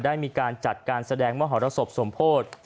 ได้มีการจัดการแสดงมหรสบสมโพธิ